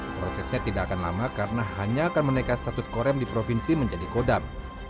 prosesnya tidak akan lama karena hanya akan menaikkan status korem di provinsi menjadi kodam